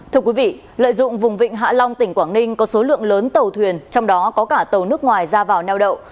thưa quý vị lợi dụng vùng vịnh hạ long tỉnh quảng ninh có số lượng lớn tàu thuyền trong đó có cả tàu nước ngoài ra vào neo đậu